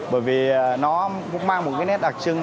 bởi vì nó cũng mang một cái nét đặc trưng